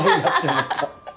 思った？